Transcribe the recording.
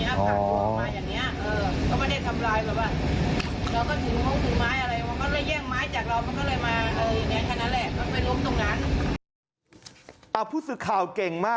ก็ไม่ได้โมโหอะไรแบบว่าเขามา